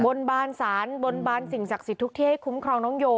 บนบานศาลบนบานสิ่งศักดิ์สิทธิ์ทุกที่ให้คุ้มครองน้องโย